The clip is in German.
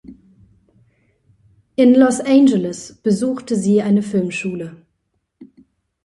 In Los Angeles besuchte sie eine Filmschule.